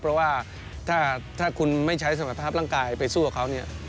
เพราะว่าถ้าคุณไม่ใช้สมรรถภาพร่างกายไปสู้กับเขาเนี่ย